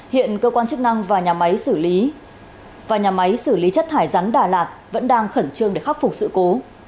hiện cơ quan chức năng và nhà máy xử lý chất thải rắn đà lạt vẫn đang khẩn trương để khắc phục sự cố